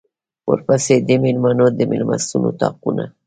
ورپسې د مېلمنو د مېلمستون اطاقونه و.